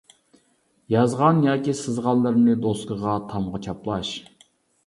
يازغان ياكى سىزغانلىرىنى دوسكىغا، تامغا چاپلاش.